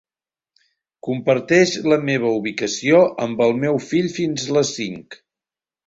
Comparteix la meva ubicació amb el meu fill fins les cinc.